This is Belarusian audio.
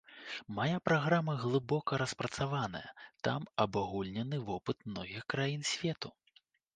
Мая праграма глыбока распрацаваная, там абагульнены вопыт многіх краін свету.